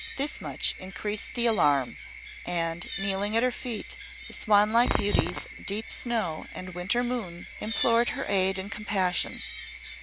This much increased the alarm, and, kneeling at her feet, the swan like beauties, Deep Snow and Winter Moon implored her aid and compassion.